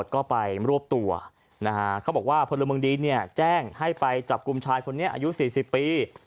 ก็บอกว่าพลมงดีแจ้งให้ไปจับกลุ่มชายคนนี้อายุ๔๐ปี